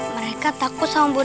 mereka takut sama boneka itu